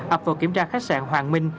ấp vào kiểm tra khách sạn hoàng minh